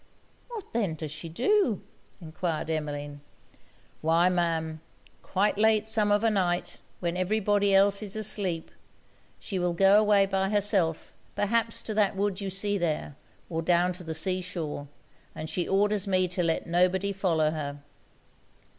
'What then does she do?' enquired Emmeline. 'Why, Ma'am, quite late sometimes of a night, when every body else is asleep, she will go away by herself perhaps to that wood you see there, or down to the sea shore; and she orders me to let nobody follow her.